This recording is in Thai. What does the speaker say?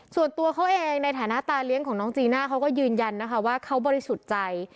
ส่วนตัวเขาเองในฐานะตาเลี้ยงของน้องจีน่าเขาก็ยืนยันนะคะว่าเขาบริสุทธิ์ใจ